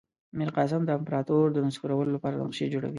میرقاسم د امپراطور د نسکورولو لپاره نقشې جوړوي.